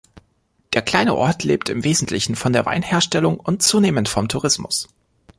Der kleine Ort lebt im Wesentlichen von der Weinherstellung und zunehmend vom Tourismus.